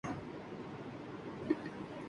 تو معاشی کیوں ناجائز ٹھہری؟